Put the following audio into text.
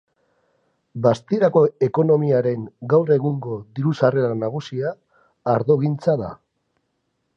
Bastidako ekonomiaren gaur egungo diru-sarrera nagusia ardogintza da.